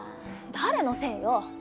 誰のせいよ。